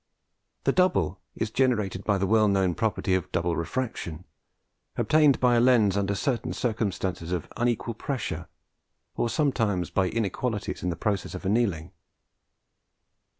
The 'double' is generated by the well known property of double refraction, obtained by a lens under certain circumstances of unequal pressure, or sometimes by inequalities in the process of annealing.